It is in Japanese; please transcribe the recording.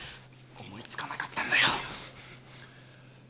思いつかなかったんだよ。